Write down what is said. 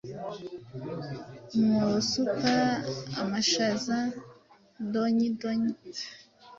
umwobo usuka amashaza donyi donyi